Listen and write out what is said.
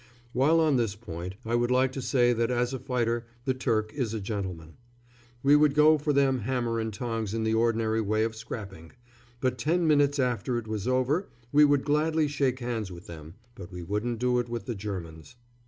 While on this point, I would like to say that as a fighter the Turk is a gentleman. We would go for them hammer and tongs in the ordinary way of scrapping; but ten minutes after it was over we would gladly shake hands with them but we wouldn't do it with the Germans.